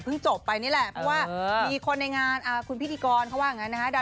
จบไปนี่แหละเพราะว่ามีคนในงานคุณพิธีกรเขาว่างั้นนะคะ